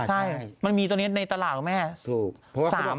ใช่มันมีตัวนี้ในตลาดไหม